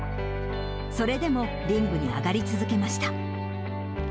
それでもリングに上がり続けました。